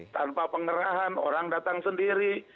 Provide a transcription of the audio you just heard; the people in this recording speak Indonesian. tanpa pengerahan orang datang sendiri